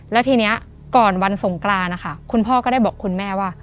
แล้วทีนี้ก่อนวันสงกรานนะคะคุณพ่อก็ได้บอกคุณแม่ว่า